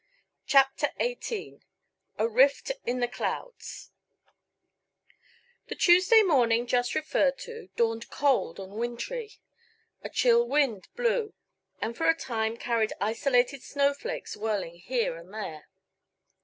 CHAPTER XVIII A RIFT IN THE CLOUDS The Tuesday morning just referred to dawned cold and wintry. A chill wind blew and for a time carried isolated snowflakes whirling here and there.